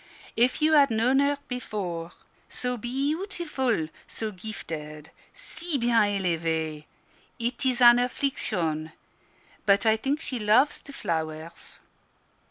If you had known her before! so be eautiful, so gifted, si bien elevee! It is an affliction: but I think she loves the flowers."